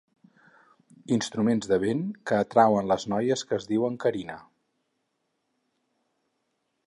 Instruments de vent que atrauen les noies que es diuen Carina.